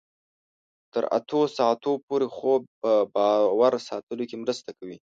تر اتو ساعتونو پورې خوب په باور ساتلو کې مرسته کوي.